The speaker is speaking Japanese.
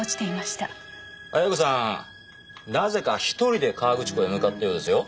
なぜか１人で河口湖へ向かったようですよ。